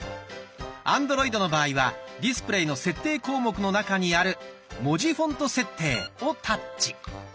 アンドロイドの場合は「ディスプレイ」の設定項目の中にある「文字フォント設定」をタッチ。